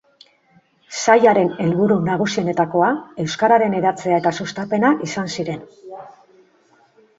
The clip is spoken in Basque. Sailaren helburu nagusienetakoa euskararen hedatzea eta sustapena izan ziren.